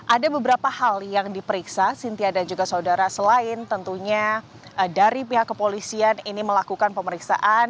ada beberapa hal yang diperiksa cynthia dan juga saudara selain tentunya dari pihak kepolisian ini melakukan pemeriksaan